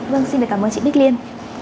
vâng xin đề cảm ơn chị bích liên